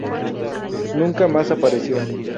Nunca más apareció.